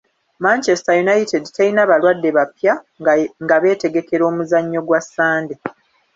Manchester United terina balwadde bapya nga beetegekera omuzannyo gwa Sande.